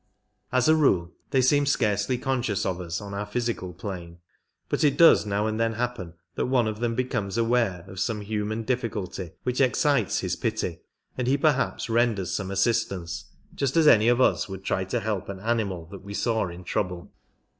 As a rule they seem scarcely conscious of us on our physical plane, but it does now and then happen that one of them becomes aware of some human difficulty which excites his pity, and he perhaps renders some assistance, just as any of us would try to help an animal that we saw in trouble.